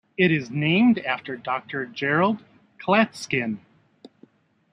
It is named after Doctor Gerald Klatskin.